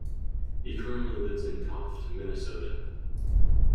He currently lives in Tofte, Minnesota.